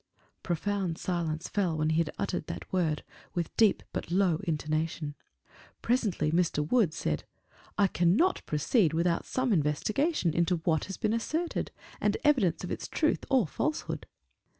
Profound silence fell when he had uttered that word, with deep but low intonation. Presently Mr. Wood said, "I cannot proceed without some investigation into what has been asserted, and evidence of its truth or falsehood."